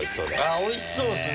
おいしそうっすね。